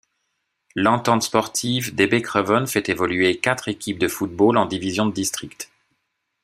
L'Entente sportive d'Hébécrevon fait évoluer quatre équipes de football en divisions de district.